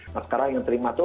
nah sekarang yang terima itu